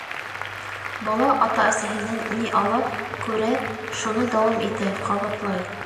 Бала ата-әсәһенән ни ала, күрә — шуны дауам итә, ҡабатлай.